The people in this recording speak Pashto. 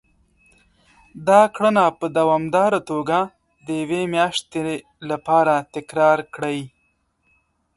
دا کړنه په دوامداره توګه د يوې مياشتې لپاره تکرار کړئ.